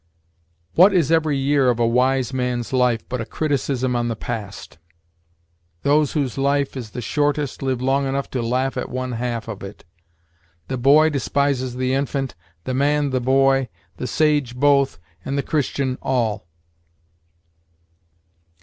"What is every year of a wise man's life but a criticism on the past! Those whose life is the shortest live long enough to laugh at one half of it; the boy despises the infant, the man the boy, the sage both, and the Christian all."